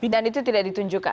dan itu tidak ditunjukkan